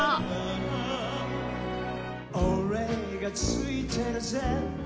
「おれがついてるぜ」